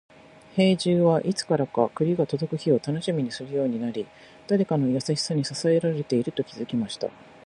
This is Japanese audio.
兵十は、いつからか栗が届く日を楽しみにするようになり、誰かの優しさに支えられていると気づきました。